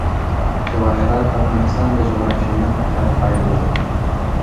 جواهرات د افغانستان د جغرافیایي موقیعت پایله ده.